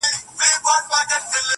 چي د سینې پر باغ دي راسي سېلاوونه!!!!!